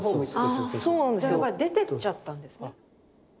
じゃやっぱり出てっちゃったんですね。